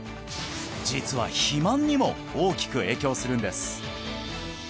実は肥満にも大きく影響するんです